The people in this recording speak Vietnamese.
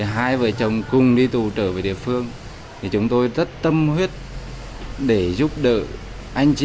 hai vợ chồng cùng đi tù trở về địa phương thì chúng tôi rất tâm huyết để giúp đỡ anh chị